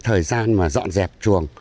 thời gian mà dọn dẹp chuồng